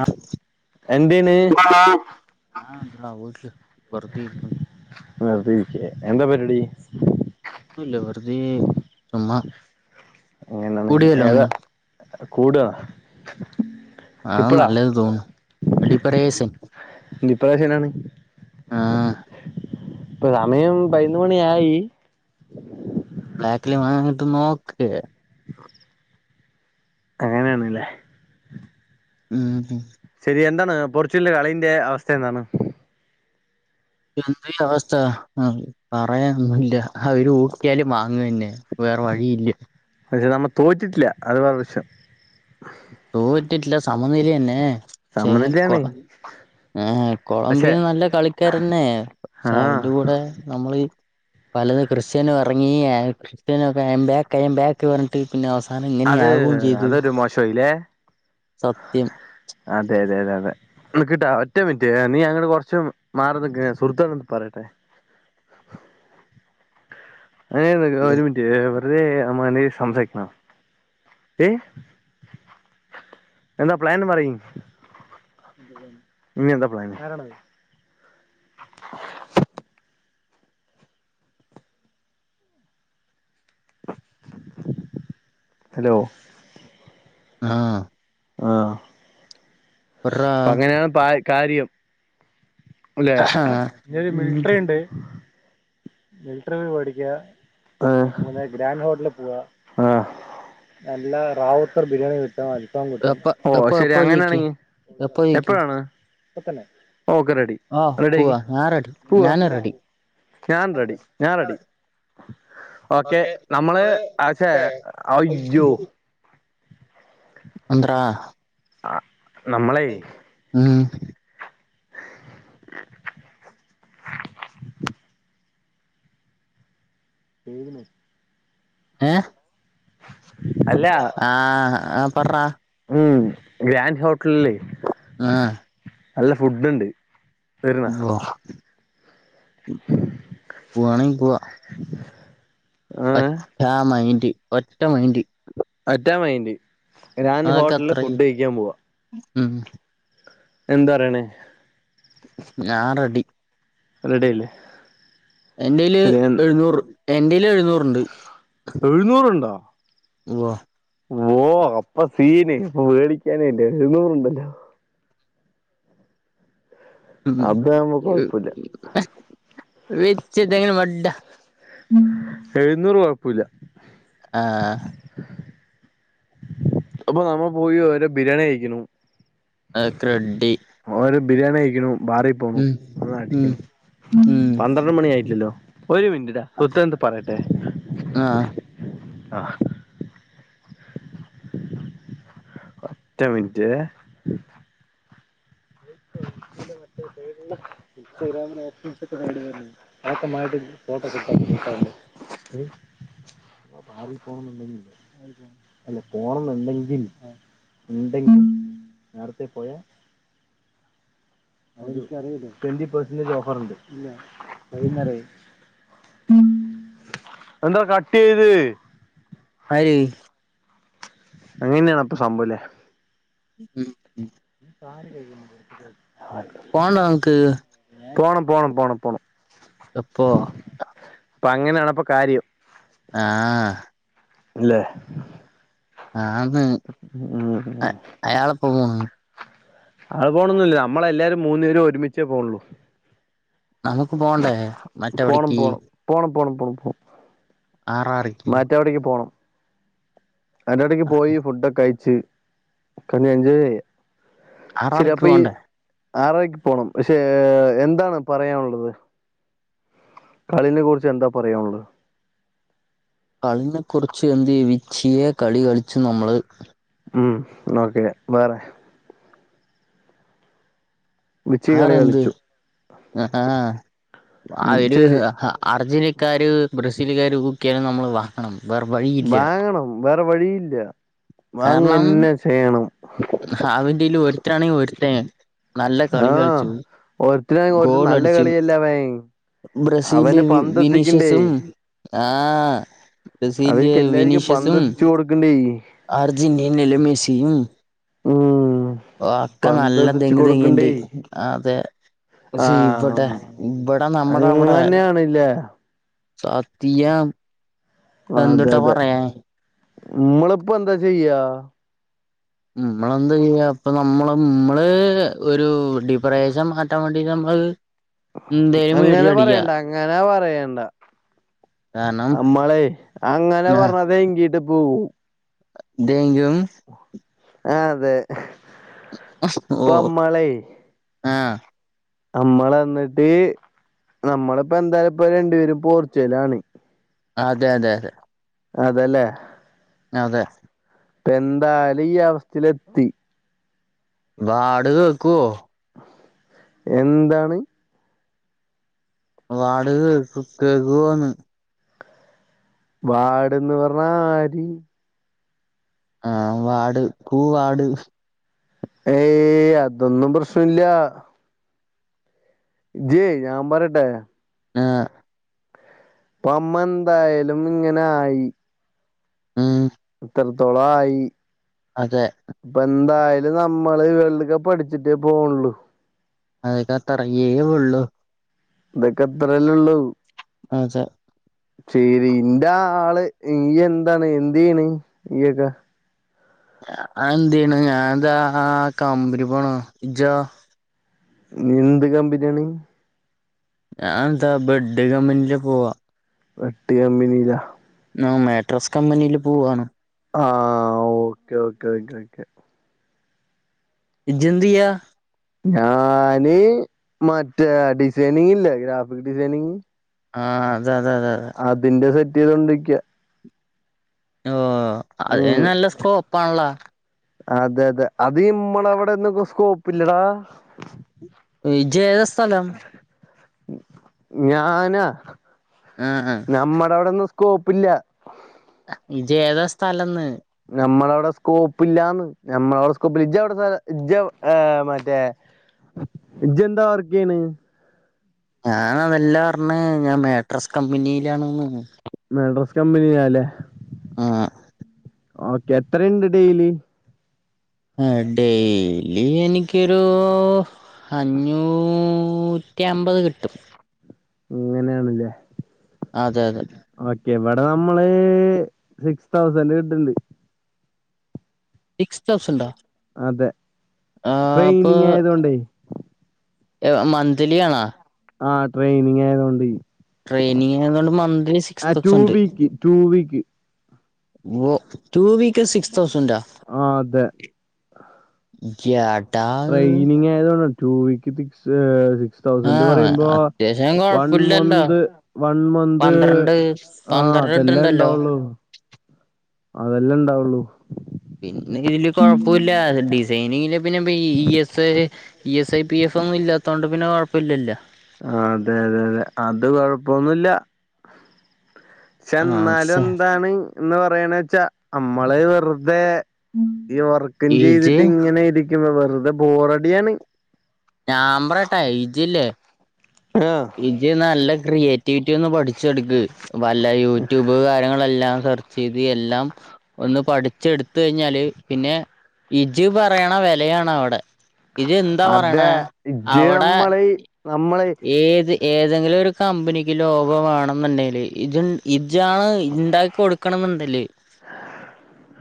ആഹ് എന്താണ് [unintelligible] വെറുതെ ഇരിക്കണ് വെറുതെ ഇരിക്കേ എന്താ പരിപാടി? ഒന്നൂല്ല വെറുതെ ചുമ്മാ കൂടിയാലോ ഒന്ന്. കൂടാ അതാ നല്ലത് തോന്നുന്നു, ഡിപറേഷൻ ഡിപ്രേഷനാണ്. ആഹ് ഇപ്പൊ സമയം പയിനൊന്ന് മണി ആയി ബ്ലാക്കില് വാങ്ങാൻ കിട്ടോ നോക്ക്. അങ്ങനെയാണ് ല്ലേ. ഉം ഉം എന്താണ് പോർച്ചുഗലിന്റെ കളീന്റെ അവസ്ഥ എന്താണ്? എന്തായി അവസ്ഥ ആഹ് പറയാനൊന്നുല്ല അവര് [unintelligible] യാലും വാങ്ങന്നെ. വേറെ വഴി ഇല്ല. പക്ഷെ നമ്മ തോറ്റിട്ടില്ല അതു വേറെ വിഷയം റ്റിട്ടില്ല സമനില തന്നെ പക്ഷേ കൊള സമനിലയാണ് ആഹ് പക്ഷെ കൊളംബിയ നല്ല കളിക്കാരന്നെ, ആ പക്ഷെ അവര്ടെ കൂടെ നമ്മള് പലത് ക്രിസ്ത്യാനോ എറങ്ങി [unintelligible] ക്രിസ്ത്യാനോ കെയിം ബാക്ക് കെയിം ബാക്കെന്ന് പറഞ്ഞിട്ട്. പിന്നെ അവസാനം അത് ഇങ്ങനെയാകുകയും ചെയ്തു അതൊരു മോശോ ആയീലേ സത്യം അതെ അതെ അതെ നിക്ക്ട്ടാ ഒറ്റ മിനിറ്റ് നീ അങ്ങട് കൊറച്ച് മാറി നിക്ക് [unintelligible] ഏട്ടനോട് പറയട്ടെ. ഏ ഒരു മിനിറ്റ് അതെ നമ്മ സംസാരിക്കണം ഏയ് എന്താ പ്ലാന് പറയ് ഇനി എന്താ പ്ലാന് ഹലോ ആ ആ ഒറാ അപ്പൊ അങ്ങനെയാണ് പ കാര്യം അല്ലെ ഒരു ഉം മിലിട്ടറി ഉണ്ട്. മിലിട്ടറി മേടിക്കാ ഗ്രാൻഡ് ഹോട്ടലി പോവാ നല്ല റാവൂത്തർ ബിരിയാണി കി അൽഫാം കിട്ടും. എപ്പ ഓ എപ്പ ശരി എപ്പ ചോയ്ക്ക് അങ്ങനെയാണെങ്കി എപ്പ ചോയ്ക്ക് എപ്പഴാണ് ഓക്കെ റെഡി ആഹ് റെഡി പോവാ ഞാൻ റെഡി പൂവാം. ഞാനും റെഡി ഞാൻ റെഡി ഞാൻ റെഡി. ഓക്കെ നമ്മള് ആക്ഷേ അയ്യോ. അന്ത്ര ആ നമ്മളെ ഉം തേക്ണ്. ഏ അല്ല ആ ആ പർടാ ഉം ഗ്രാൻഡ് ഹോട്ടലിലെ ആ നല്ല ഫുഡ്ഡുണ്ട്. വ പോവാണെങ്കി പോവാ ഒ ഏഹ് റ്റ മൈൻ്റ് ഒറ്റമൈൻ്റ്. ഒറ്റാ മൈന്റ്. ഗ്രാൻഡ് അതൊക്കെ ഹോട്ടലില് അത്രയും ഫുഡ് കഴിക്കാൻ പോവാ. ഉം എന്താ അറിയണേ ഞാൻ റെഡി. റെഡിയ്ല്ലേ എന്റേല് എഴുന്നൂറ് എന്റേല് എഴു എഴുന്നൂറ്ണ്ടോ ഉവ്വ ഓ അപ്പ സീന് പ്പൊ പേടിക്കാനേല്ല എഴുന്നൂറ്ണ്ടല്ലോ ഉം അത് ആവുമ്പോ ഉം കൊഴപ്പില്ല വെച്ച് തേങ്ങന മഡ്ഡ എഴുന്നൂറ് കൊഴപ്പൂല ആഹ് അപ്പൊ നമ്മള് പോയി ഓരോ ബിരിയാണി കഴിക്കണു അതൊക്കറെഡി ക്കുണു ബാറി പോണു ഒന്ന് ഉം അടിക്ക്ണു ഉം പന്ത്രണ്ട്മണി ആയിട്ട്ല്ലല്ലോ ഒരു മിനിറ്റ് ട്ടാ [unintelligible] പറയട്ടെ ആഹ് ആ ഒറ്റ മിനിറ്റ് ഇൻസ്റ്റാഗ്രാമിനകത്ത് [unintelligible] അതൊക്ക മാറ്റി ഫോട്ടോക്ക [unintelligible] പ്പ ബാറി പോണന്ന്ണ്ടെങ്കില് അല്ല പോണംന്ന്ണ്ടെങ്കിൽ ഇണ്ടെങ്കി നേരത്തെ പോയ അതൊന്നും നിക്കറിയില്ല ട്വന്റി പേഴ്സ്ന്റെജ് ഓഫർണ്ട് ഇല്ല [unintelligible] എന്താ കട്ടീയ്ത് ഏയ്‌ അങ്ങനെയാണ് അപ്പൊ സംഭവല്ലേ? ഉം ഉം ഈ സാനം കഴിക്ക്ന്നെ നിർത്തിക്കോളി പോണ്ടെ [unintelligible] പോണം പോണം പോണം പോണം എപ്പൊ? അപ്പൊ അങ്ങനെയണപ്പൊ കാര്യം. ആഹ് ഇല്ലേ ആന്ന് ഉം അ അയാളെപ്പാ പോന്ന് അയാള് പോണൊന്നും ഇല്ല നമ്മളെല്ലാരും മൂന്നു പേരും ഒരുമിച്ചേ പോണുള്ളൂ നമ്മക്ക് പോണ്ടേ പോണം മറ്റെവടെക്ക് പോണം പോണം പോണം പോ മറ്റവടക്ക് പോണം അയിന്റെ എടക്ക് പോയി ഫുഡൊക്കയിച്ച് [unintelligible] എൻജോയ് ചെയ്യാ ആറാറരക്ക് പോണ്ടേ? ആറരക്ക് പോണം പക്ഷേ എന്താണ് പറയാനുള്ളത്? കളിനെ കുറിച്ച് എന്താ പറയാനുള്ള്? കളിനെ കുറിച്ച് എന്ത്യേ വിച്ചിയെ കളി കളിച്ചു നമ്മള് ഉം ന്നാ ഒക്കെ വേറെ വിച്ചി കളി വേറെ ന്ത് കളിച്ചു ആഹാ ഉം അവര് ശരി ഹ അർജന്റീക്കാര് ബ്രസീല്കാര് ഊക്ക്യെന് നമ്മള് വാങ്ങണം. വേറവഴിയില്ല. വാങ്ങണം വേറെ വഴിയില്ല വാങ്ങെന്നെ ചെയ്യണം. ഇല് ഒര്ത്താണെങ്കി ഒര്ത്തൻ നല്ല കളി ആഹ് കളിച്ചു ഒരുത്തനാണെങ്കി ഒരുത്തൻ നല്ല ഗോളടിച്ച് കളിയല്ല അവൻ ബ്രസീല് അവന് വി പന്തെത്തിക്കണ്ടേ വിനീഷ്യസും ആഹ് ബ്രസീല് അവർക്ക് എല്ലാർക്കും വിനീഷ്യസും പന്തെത്തിച്ചു കൊടുക്കണ്ടേ അർജെന്റീനെയ്ല് മെസ്സിയും ഉം ഒക്ക നല്ല പന്തതിച്ച് ദെങ്ങ് ദെങ്ങിണ്ട് കൊടുക്കണ്ടേ അതെ പക്ഷേ ഇബടെ ആഹ് ഇബടെ നമ്മടവടെ ഹ സത്തിയം, എന്ത്ട്ടാ പറയാൻ? മ്മള്പ്പെന്താ ചെയ്യാ? മ്മളെന്താ ചെയ്യ പ്പ നമ്മള് മ്മള് ഒരു ഡിപറേഷൻ മാറ്റാൻ വേണ്ടി [unintelligible] അ [unintelligible] അങ്ങനെ പറയണ്ട അങ്ങനാ പറയണ്ട കാരണം അമ്മളെയ് അങ്ങനെ പർഞ്ഞതെങ്കിട്ട് പോവും തെങ്ക്യും അതെ ഓ ഇപ്പ മ്മളെ ആഹ് അമ്മള് എന്നിട്ട് നമ്മളിപ്പോ എന്തായാലും ഇപ്പ രണ്ടുപേരും പോർച്ചുഗലാണ് അതെ അതെ അതെ. അതെല്ലേ അതെ. ഇപ്പ എന്തായാലും ഈ അവസ്‌ത്തേല് എത്തി വാട് കേക്കുവോ എന്താണ് വാട് കേക്ക് കേക്കുവൊന്ന്. വാട് എന്ന് പറഞ്ഞാ ആര് ആഹ് വാട് കൂവാട് ഏയ് അതൊന്നും പ്രശ്നമില്ല. ഇജ്ജ് ഞാൻ പറയട്ടെ ആഹ് ഇപ്പ അമ്മ എന്തായാലും ഇങ്ങനെ ആയി മ്‌ഹ് ഇത്രത്തോളം ആയി അതെ [unintelligible] നമ്മള് വേൾഡ് കപ്പ് അടിച്ചിട്ടേ പോവൊള്ളൂ അതൊക്കെ അത്രയ്ക്കെ ഒള്ളു ഇതൊക്കെ ഇത്രല്ലേ ഉള്ളു [unintelligible] ശെരി ഇന്റെ ആള് ഇഹ് എന്താണ് എന്തെയ്യണ് നീയെക്ക അതെന്തെയ്യണ്. ഞാൻ ദാ ആഹ് കമ്പനി പോണ് ഇജ്ജോ? നീ എന്ത് കമ്പനിയാണ് ഞാൻ എന്താ ബെഡ് കമ്പനിലാ പോവാ ബെഡ് കമ്പിനിയിലാ ആ മാട്രസ് കമ്പനിൽ പോവാണ് ആഹ് ഓക്കേ ഓക്കേ ഓക്കേ ഓക്കെ ഇജെന്തിയാ? ഞാന് മറ്റേ ഡിസൈനിങ് ഇല്ലേ ഗ്രാഫിക് ഡിസൈനിങ് ആഹ് അതെ അതെ അതെ ചെയ്തോണ്ടിക്കാ ഓഹ് അത് ഉം അയിന് നല്ല സ്കോപ്പാണല്ലോ? അതെ അതെ അത് ഇമ്മളവിടൊന്നും സ്കോപ്പില്ലെടാ എ ഇജ്ജ് ഏതാ സ്ഥലം? ഞ് ഞാനാ? ആഹ് ആഹ് നമ്മടെ അവിടൊന്നും സ്കോപ്പില്ല ഇജ്ജ് ഏതാ സ്ഥലംന്ന് എടാ സ്കോപ്പ് ഇല്ലാന്ന് ഞമ്മളവിടെ സ്‌കോപ്പില്ല, ഇജ്ജെവിടെ സ്ഥലം? ഇജ്ജ് ഏഹ് മറ്റേ ഇജ്ജ് എന്താ വർക്ക് ചെയ്യണെ? ഞാൻ അതെല്ലാ പറഞ്ഞ് ഞാൻ മാട്രസ് കമ്പനിയിലാണ്ന്ന്. മാട്രസ് കമ്പനിയാല്ലേ? ആഹ് ഓക്കെ എത്രയ്ണ്ട് ഡെയ്ലി? ഏഹ് ഡെയ്ലി എനിക്കൊരൂ അഞ്ഞൂറ്റമ്പത് കിട്ടും. അങ്ങനെയാണ് ല്ലേ? അതെ അതെ. ഇവടെ നമ്മള് സിക്സ് തൗസൻഡ് കിട്ട്ണ്ട്. സിക്സ് തൗസന്റോ അതെ ആ പോ ട്രെയിനിങ് ആയതുകൊണ്ടേ ഏഹ് മന്ത്ലിയാണാ? ആഹ് ട്രെയിനിങ്ങായതോണ്ട്. ട്രെയ്നിങ്ങായതോണ്ട് monthly six two thousand. Week two week വോ ടു വീക്ക് സിക്സ് തൗസന്റാ? ആ അതെ യാട് ട്രെയിനിങ്ങായതോണ്ടാൺ two week six six thousand ആഹ് പറയുമ്പോ അത്യാവശ്യം വൺ കൊഴപ്പില്ലല്ലോ മന്ത് വൺ മന്ത് പന്ത്രണ്ട് ആ പന്ത്രണ്ട് അതെല്ലെ ഇട്ടുണ്ടല്ലോ ഇണ്ടാവൊള്ളു അതെല്ലെ ഇണ്ടാവൊള്ളൂ. പിന്നെ ഇതില് കൊഴ‌പ്പൂല്ല ഡിസൈനിയ്യല് പിന്നെ B E S E S I P F. പ്പൊന്നുംഇല്ലാത്തോണ്ട് പിന്നെ കൊഴപ്പല്ലല്ലോ അതെ യതെ യതെ അത് കൊഴപ്പൊന്നുല്ല. ആഹ് ചെന്നാ ഛെ ലെന്താണ്? എന്ന് പറയണ്ച്ചാ നമ്മള് വെറുതെ വർക്കും ഇജ് ചീതിട്ടിങ്ങെനിയിരിക്കും വെറുതെ ബോറടിയാണ്. നാമ്പ്രശ്ട്ടാ ഇജ്ജ്ല്ലേ ആഹ് ഇജ്ജ് നല്ല ക്രിയേ ഇജ്ജോന്ന് പഠിച്ചെടുക്ക്‌ വല്ല യൂറ്റൂബ് കാര്യങ്ങളെല്ലാം ഇത് എല്ലാം ഒന്ന് പഠിച്ചെടുത്തെഴിഞ്ഞാല് പിന്നെ ഇജ്ജ് പറയ്ണ വെലയാണവടെ ഇജെന്താ പറയണ് അതെ ഇജ്ജ് അവടെ നമ്മള് നമ്മള് ഏത് ഏതെങ്കിലൊരു കമ്പ്നിക്ക് ലോകോ വാണെന്നുണ്ടേല് ഇജ്ജ് ഇ ഇജാണ് ണ്ടാക്കി കൊടുക്കണന്ന്ണ്ട്ലെ?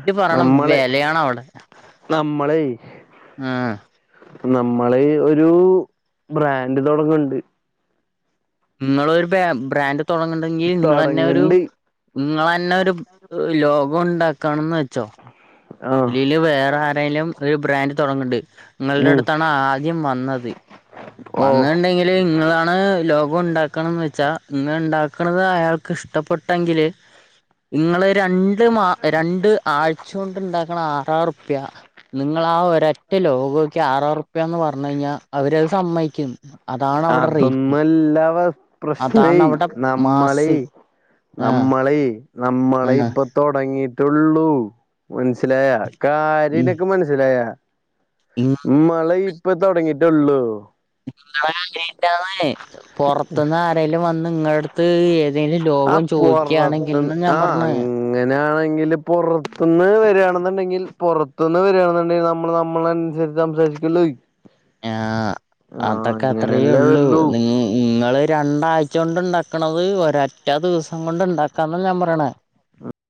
ഇജ് പറയ്ണ നമ്മള് വെലയാണവടെ നമ്മളെ ആ നമ്മള് ഒരൂ ബ്രാൻഡ് തൊടങ്ങ്ണ്ട്. ങ്ങളൊരു പേ ബ്രാൻന്റ് തൊടങ്ങ്ണ്ടെങ്കി ങ്ങളന്നൊരു തൊടങ്ങ്ണ്ട് ങ്ങളെന്നൊരു ലോകോ ണ്ടാക്കണംന്ന് വെ ആഹ് ലില് വേറാരേലും ഒരു ബ്രാൻന്റ് തൊഡങ്ണ്ട്. ഉം ങ്ങൾടെട്ത്താണ് ആദ്യം വന്നത് ഓ വന്ന്ണ്ടെങ്കില് ങ്ങളാണ് ലോ വുണ്ടാക്കണംന്ന് വെച്ചാ ങ്ങണ്ടാകണതയാൾക്ക് ഇഷ്ടപ്പെട്ടെങ്കില് ങ്ങള് രണ്ട് മാ രണ്ട് ആഴ്ചോണ്ട് ണ്ടാക് ആറാ റുപ്യ നിങ്ങളാ ഒരൊറ്റ ലോഗോയ്ക്ക് ആറാ റുപ്യന്ന് പറഞ്ഞെഴിഞ്ഞാ അവരത് സമ്മയിക്കും അതാണവടെ റേറ്റ് അതൊന്നല്ല അതാണവടെ മാസ്. ലേയ് ആഹ് നമ്മളെയ് നമ്മളെയ് ആഹ് പ്പൊ തൊടങ്ങിട്ട് തുള്ളൂ മൻസ്സിലായാ ഉം കാര്യനിക്ക്‌ മനസ്സിലായാ ഇങ്ങളെ മളെയിപ്പോ തൊടങ്ങിട്ടൊള്ളൂ നിങ്ങള കനന്ന് [unintelligible] പൊറത്ത്ന്നാരേലും വന്ന് നിങ്ങള്ട്ത്ത് ഏ ആ പൊറത്ത്ന്ന് ആ പറഞ്ഞ് അങ്ങനാണ്. ഇല്ല പൊറത്ത്ന്ന് വരാണ്ന്ന് ണ്ടെങ്കിൽ പൊറത്ത്ന്ന് വരാണ് ന്ന്ണ്ടെങ്കിൽല് നമ്മൾനമ്മൾ നമ്മള നുസരിചംസാരി അക്കലോ [unintelligible] നാ അതൊക്കെ അങ്ങനെല്ലേ അത്രേയുള്ളൂ വരുള്ളൂ നിൻ നിൻൻങ്ങള് രണ്ടാഴ്ച കൊണ്ട് ഉണ്ടാക്കണത് ഒരെറ്റ ദിവസം കൊണ്ട് ഇണ്ടാക്കാന്ന ഞാൻ പറയണേ